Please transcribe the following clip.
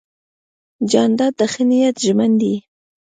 جانداد د ښه نیت ژمن دی.